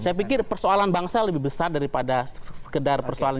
saya pikir persoalan bangsa lebih besar daripada sekedar persoalan